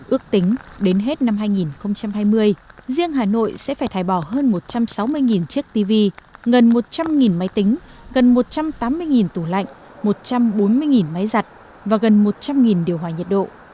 ước tính đến hết năm hai nghìn hai mươi riêng hà nội sẽ phải thải bỏ hơn một trăm sáu mươi chiếc tv gần một trăm linh máy tính gần một trăm tám mươi tủ lạnh một trăm bốn mươi máy giặt và gần một trăm linh điều hòa nhiệt độ